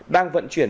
đang vận chuyển